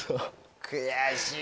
悔しい。